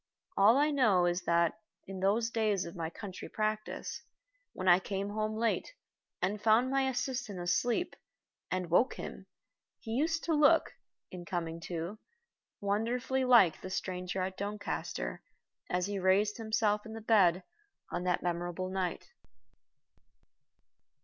All I know is that, in those days of my country practice, when I came home late, and found my assistant asleep, and woke him, he used to look, in coming to, wonderfully like the stranger at Doncaster as he raised himself in the bed on that memorable night.